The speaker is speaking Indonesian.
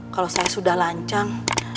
kalau saya sudah lancang